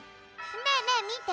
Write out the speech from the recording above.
ねえねえみて。